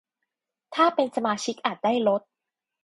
ถ้าเป็นสมาชิกอาจได้ลด